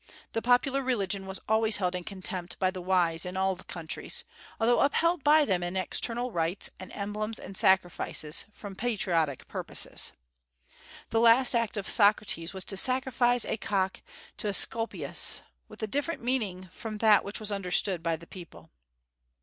The popular religion was always held in contempt by the wise in all countries, although upheld by them in external rites and emblems and sacrifices, from patriotic purposes. The last act of Socrates was to sacrifice a cock to Esculapius, with a different meaning from that which was understood by the people.